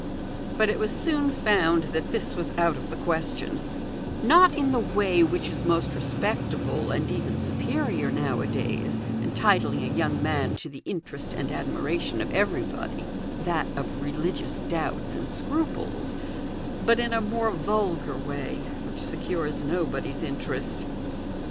But it was soon found that this was out of the question ; not in the way which is most respect able and even superior nowadays, entitling a young man to the interest and admiration of everybody that of religious doubts and scruples but in a more vulgar way, which secures nobody's interest.